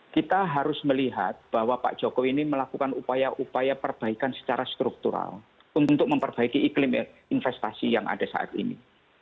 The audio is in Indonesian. kita harus melihat bahwa pak jokowi ini melakukan upaya upaya perbaikan secara struktural untuk memperbaiki iklim investasi yang ada saat ini